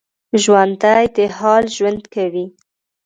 ژوندي د حال ژوند کوي